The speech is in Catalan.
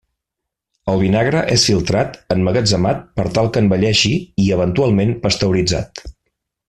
El vinagre és filtrat, emmagatzemat, per tal que envelleixi, i eventualment pasteuritzat.